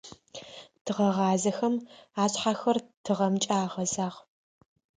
Тыгъэгъазэхэм ашъхьэхэр тыгъэмкӀэ агъэзагъ.